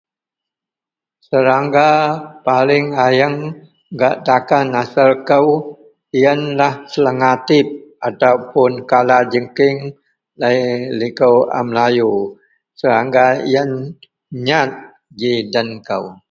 serangga paling ayeang gak takan asel kou ienlah segelatip ataupun kala jenking laie liko a melayu, serangga ien nyat ji den kou